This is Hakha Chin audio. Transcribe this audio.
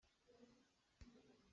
Angki raang cu a lian tuk.